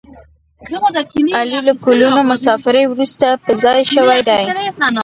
علي له کلونو مسافرۍ ورسته په ځای شوی دی.